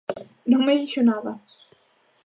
Non me dixo nada.